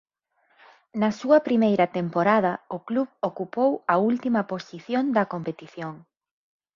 Na súa primeira temporada o club ocupou a última posición da competición.